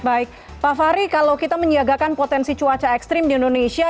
baik pak fahri kalau kita menyiagakan potensi cuaca ekstrim di indonesia